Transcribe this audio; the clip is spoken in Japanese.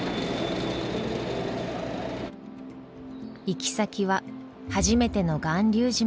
行き先は初めての巌流島。